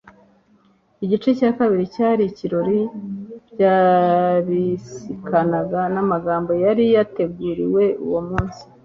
igice cya kabiri cyari icy'ibirori byabisikanaga n'amagambo yari yateguriwe uwo munsi